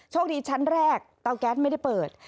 ชั้นแรกเตาแก๊สไม่ได้เปิด